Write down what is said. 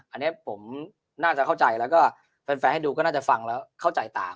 อันนี้ผมน่าจะเข้าใจแล้วก็แฟนให้ดูก็น่าจะฟังแล้วเข้าใจตาม